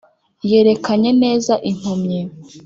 yerekanye neza impumyi;